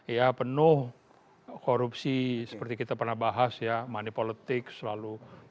ya penuh korupsi seperti kita pernah bahas ya money politics selalu